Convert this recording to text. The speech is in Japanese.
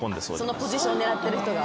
そのポジション狙ってる人が。